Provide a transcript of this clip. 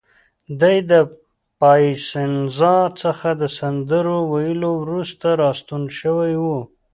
دی له پایسنزا څخه د سندرو ویلو وروسته راستون شوی و.